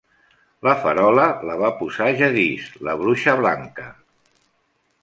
La farola la va posar Jadis, la bruixa blanca.